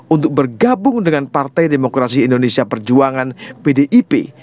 untuk bergabung dengan partai demokrasi indonesia perjuangan pdip